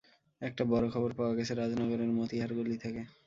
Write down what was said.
একটা বড় খবর পাওয়া গেছে, রাজনগরের মতিহার গলি থেকে।